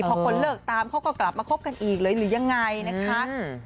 พอคนเลิกตามเขาก็กลับมาคบกันอีกเลยหรือยังไงนะคะ